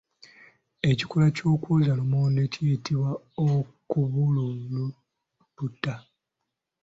Ekikolwa eky'okwoza lumonde kiyitibwa okubulubuuta.